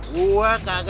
gue kagak akan pergi